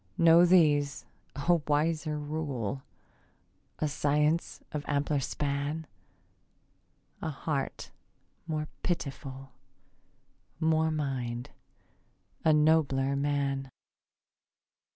No, these: a wiser rule; A science of ampler span; A heart more pitiful; More mind; a nobler man.